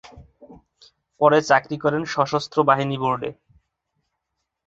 পরে চাকরি করেন সশস্ত্র বাহিনী বোর্ডে।